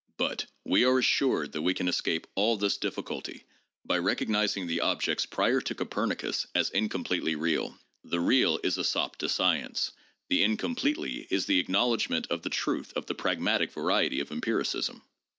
But we are assured that we can escape all this difficulty by recognizing the objects prior to Copernicus as incompletely real. The ' real ' is a sop to science, the ' incompletely ' is the acknowl edgment of the truth of the pragmatic variety of empiricism.